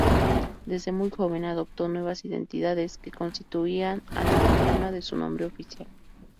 Desde muy joven adoptó nuevas identidades, que constituían el anagrama de su nombre oficial.